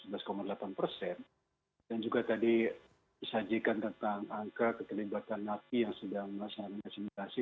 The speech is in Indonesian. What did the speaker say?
dan juga tadi disajikan tentang angka keterlibatan napi yang sedang melaksanakan simulasi